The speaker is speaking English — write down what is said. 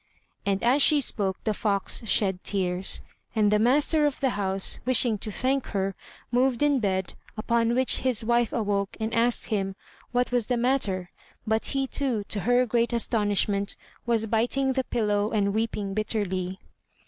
And as she spoke, the fox shed tears; and the master of the house, wishing to thank her, moved in bed, upon which his wife awoke and asked him what was the matter; but he too, to her great astonishment, was biting the pillow and weeping bitterly.